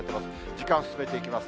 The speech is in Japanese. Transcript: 時間進めていきます。